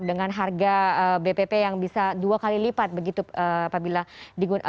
dengan harga bpp yang bisa dua kali lipat begitu apabila menggunakan plts atap